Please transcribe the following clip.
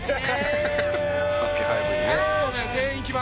「『バスケ☆ＦＩＶＥ』にね」